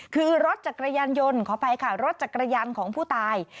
คือรถจักรยานยนต์ขออภัยค่ะรถจักรยานของผู้ตาย